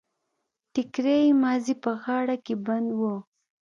ټکری يې مازې په غاړه کې بند و.